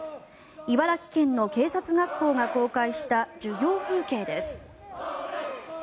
茨城県の警察学校が公開した授業風景です。